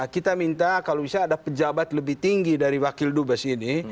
kita minta kalau bisa ada pejabat lebih tinggi dari wakil dubes ini